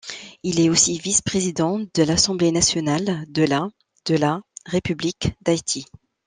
Il est aussi le vice-président de l’assemblée nationale de la de la République d’Haïti.